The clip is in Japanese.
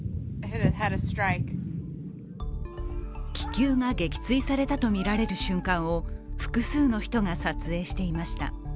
気球が撃墜されたとみられる瞬間を複数の人が撮影していました。